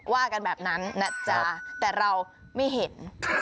ว่ากันแบบนั้นนะจ๊ะแต่เราไม่เห็น